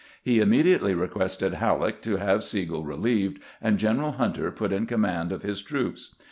He immediately requested Halleck to have Sigel relieved and General Hunter put in command of his troops.